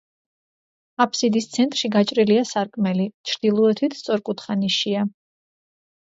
აბსიდის ცენტრში გაჭრილია სარკმელი, ჩრდილოეთით სწორკუთხა ნიშია.